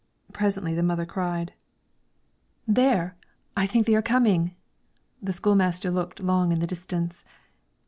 Presently the mother cried, "There! I think they are coming." The school master looked long in the distance.